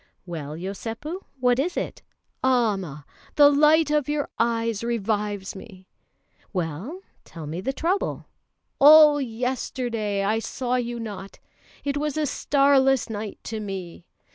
"Well, Yosépu, what is it?" "Amma! the light of your eyes revives me!" "Well, tell me the trouble." "All yesterday I saw you not; it was a starless night to me!"